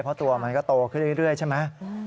เพราะตัวมันก็โตขึ้นเรื่อยใช่ไหม